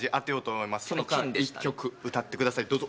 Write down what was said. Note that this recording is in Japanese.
その間１曲歌ってください。